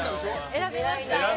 選びました。